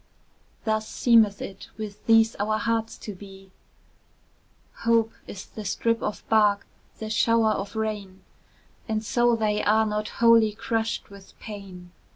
Thus seemeth it with these our hearts to be; Hope is the strip of bark, the shower of rain, And so they are not wholly crushed with pain.